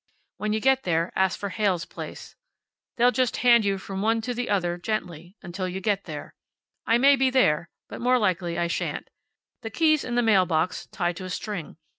When you get there ask for Heyl's place. They'll just hand you from one to the other, gently, until you get there. I may be there, but more likely I shan't. The key's in the mail box, tied to a string.